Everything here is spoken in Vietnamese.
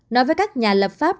nói với các nhà lập pháp